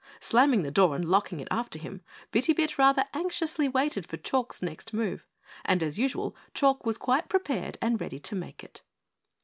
Slamming the door and locking it after him, Bitty Bit rather anxiously waited for Chalk's next move, and as usual Chalk was quite prepared and ready to make it.